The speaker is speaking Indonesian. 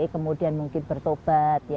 kemudian mungkin bertobat